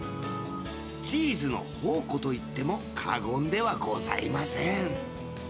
チーズの宝庫といっても過言ではございません。